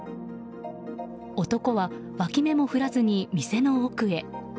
男は脇目も振らずに店の奥へ。